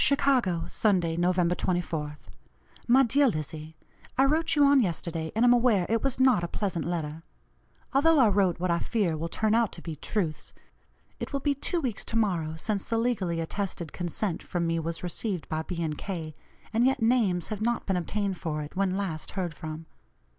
"CHICAGO, Sunday, Nov. 24th. "MY DEAR LIZZIE: I wrote you on yesterday and am aware it was not a pleasant letter, although I wrote what I fear will turn out to be truths. It will be two weeks to morrow since the legally attested consent from me was received by B. and K., and yet names have not been obtained for it, when last heard from.